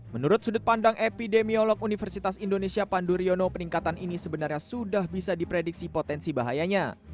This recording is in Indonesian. menurut sudut pandang epidemiolog universitas indonesia pandu riono peningkatan ini sebenarnya sudah bisa diprediksi potensi bahayanya